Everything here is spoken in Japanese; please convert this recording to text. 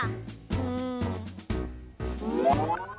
うん。